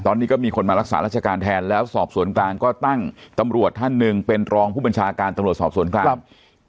ตอนนี้ก็มีคนมารักษาราชการแทนแล้วสอบสวนกลางก็ตั้งตำรวจท่านหนึ่งเป็นรองผู้บัญชาการตำรวจสอบสวนกลางครับ